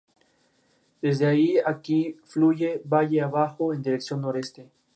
De ahí fue llevado a la Universidad de Chile.